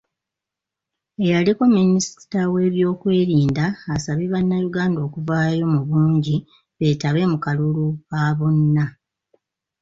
Eyaliko Minisita w'ebyokwerinda, asabye bannayuganda okuvaayo mu bungi beetabe mu kalulu ka bonna